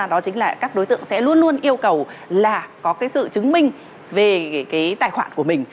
đó chính là các đối tượng sẽ luôn luôn yêu cầu là có cái sự chứng minh về cái tài khoản của mình